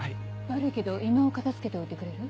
悪いけど居間を片付けておいてくれる？